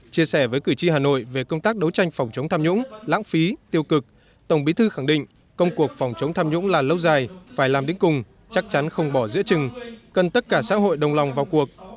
chia sẻ với cử tri hà nội về công tác đấu tranh phòng chống tham nhũng lãng phí tiêu cực tổng bí thư khẳng định công cuộc phòng chống tham nhũng là lâu dài phải làm đến cùng chắc chắn không bỏ giữa chừng cần tất cả xã hội đồng lòng vào cuộc